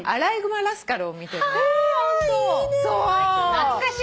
懐かしいね。